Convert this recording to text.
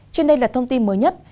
trên đây là thông tin mới nhất